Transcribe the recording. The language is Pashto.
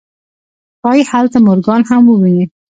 ښايي هلته مورګان هم وويني.